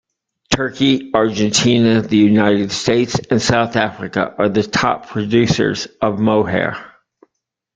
Turkey, Argentina, the United States, and South Africa are the top producers of mohair.